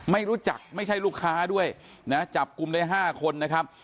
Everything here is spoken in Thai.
ไม่รู้จักไม่ใช่ลูกค้าด้วยนะจับกลุ่มได้๕คนนะครับ